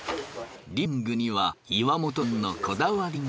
リビングには岩本さんのこだわりが。